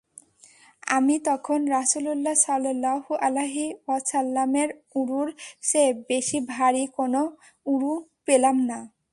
আমি তখন রাসূলুল্লাহ সাল্লাল্লাহু আলাইহি ওয়াসাল্লামের উরুর চেয়ে বেশী ভারী কোন উরু পেলাম না।